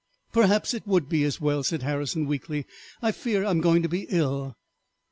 "Perhaps it would be as well," said Harrison weakly; "I fear I am going to be ill."